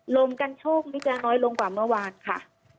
ลมกันโชคนี่จะน้อยลงกว่าเมื่อวานค่ะ